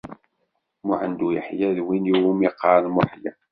Muḥend u Yeḥya d win iwumi qqaren Muḥya.